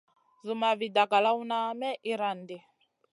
Zumma vi dagalawn may iyran ɗi.